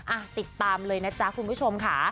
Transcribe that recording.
อ่ะติดตามเลยนะจ๊ะคุณผู้ชมค่ะ